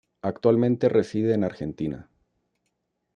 Actualmente reside en Argentina.